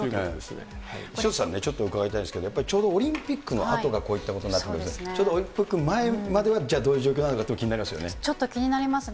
潮田さん、ちょっと伺いたいんですけれども、やっぱりちょうどオリンピックのあとがこういったことになってくるんで、オリンピックの前までは、じゃ、どういう状況なのかということが気になりますよね。